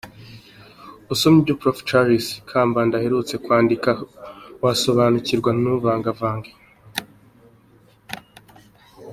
Usomye ibyo Prof. Charles Kambanda aherutse kwandika wasobanukirwa ntuvangavange.